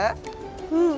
うん。